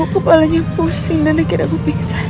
kepalanya pusing dan akhirnya aku pingsan